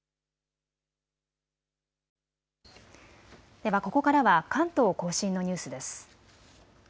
では、ここからは関東甲信のニュースです。